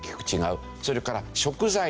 それから食材。